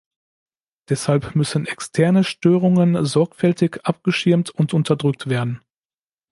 Deshalb müssen externe Störungen sorgfältig abgeschirmt und unterdrückt werden.